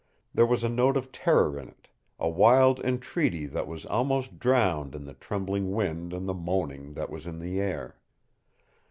There was a note of terror in it, a wild entreaty that was almost drowned in the trembling wind and the moaning that was in the air.